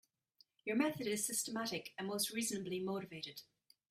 Your method is systematic and mostly reasonably motivated.